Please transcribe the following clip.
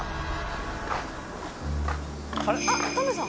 「あっタメさん」